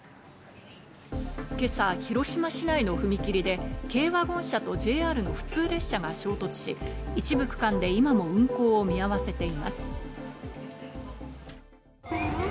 今朝、広島市内の踏切で軽ワゴン車とＪＲの普通列車が衝突し、一部区間で今も運行を見合わせています。